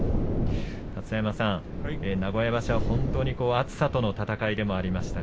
立田山さん、名古屋場所は本当に暑さとの闘いでもありました。